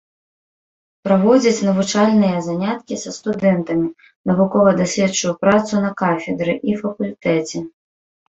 Праводзіць навучальныя заняткі са студэнтамі, навукова-даследчую працу на кафедры і факультэце.